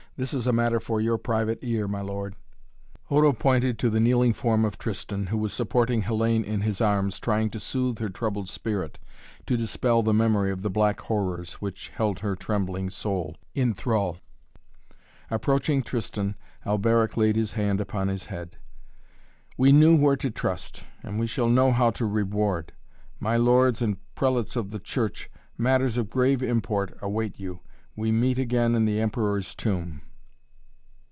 This is a matter for your private ear, my lord." Odo pointed to the kneeling form of Tristan, who was supporting Hellayne in his arms, trying to soothe her troubled spirit, to dispel the memory of the black horrors which held her trembling soul in thrall. Approaching Tristan, Alberic laid his hand upon his head. "We knew where to trust, and we shall know how to reward! My lords and prelates of the Church! Matters of grave import await you. We meet again in the Emperor's Tomb."